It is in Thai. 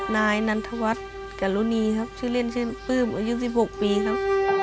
นายนันทวัฒน์กรุณีครับชื่อเล่นชื่อปลื้มอายุ๑๖ปีครับ